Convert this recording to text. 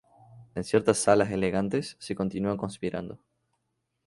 En ciertas salas "elegantes" se continúa conspirando.